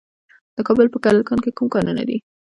د کابل په کلکان کې کوم کانونه دي؟